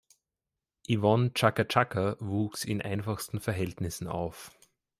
Yvonne Chaka Chaka wuchs in einfachsten Verhältnissen auf.